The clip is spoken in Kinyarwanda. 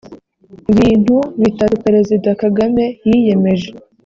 bintu bitatu perezida kagame yiyemeje